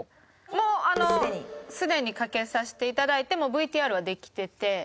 もうすでにかけさせて頂いてもうＶＴＲはできていて。